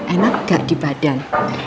enak nggak di badan